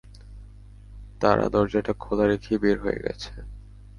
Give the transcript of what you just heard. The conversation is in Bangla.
তারা দরজাটা খোলা রেখেই বের হয়ে গেছে!